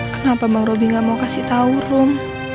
kenapa bang robi gak mau kasih tau rom